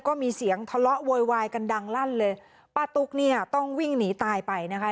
ก็มีเสียงทะเลาะโวยวายกันดังลั่นเลยป้าตุ๊กเนี่ยต้องวิ่งหนีตายไปนะคะ